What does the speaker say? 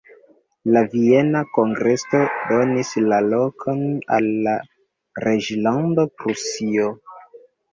La Viena kongreso donis la lokon al la reĝlando Prusio.